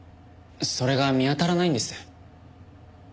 それが見当たらないんです。